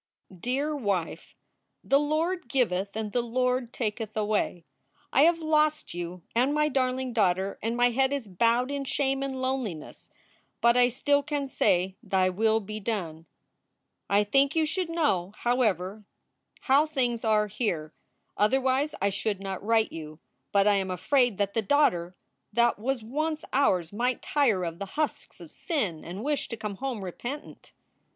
DEAR WIFE, The Lord giveth and the Lord taketh away. I have lost you and my darling daughter and my head is bowed in shame and loneliness, but I still can say, "Thy will be done." I think you should know, however, how things are here. Other wise I should not write you. But I am afraid that the daughter that was once ours might tire of the husks of sin and wish to come home repentant.